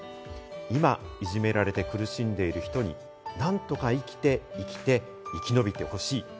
今、いじめられて苦しんでいる人に何とか生きて生きて、生きのびてほしい。